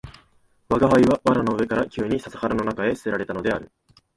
吾輩は藁の上から急に笹原の中へ棄てられたのである